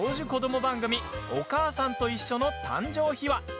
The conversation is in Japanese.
番組「おかあさんといっしょ」の誕生秘話。